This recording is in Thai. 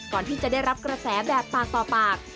ก่อนที่จะได้รับกระแสแบบปากต่อปาก